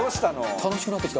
「楽しくなってきた！」